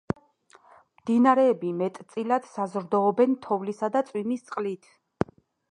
მდინარეები მეტწილად საზრდოობენ თოვლისა და წვიმის წყლით.